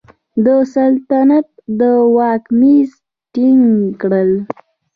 د سلطنت د واک مزي ټینګ کړل.